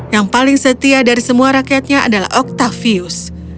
yang paling setia dari semua rakyatnya adalah octavius